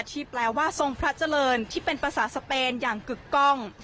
ที่แปลว่าทรงพระเจริญที่เป็นภาษาสเปนอย่างกึกกล้อง